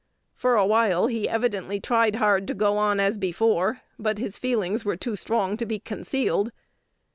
For a while he evidently tried hard to go on as before, but his feelings were too strong to be concealed.